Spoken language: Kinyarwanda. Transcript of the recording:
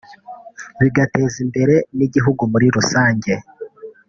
bigateza imbere n’igihugu muri rusange